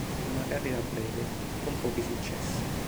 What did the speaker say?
Ebbe una carriera breve, con pochi successi.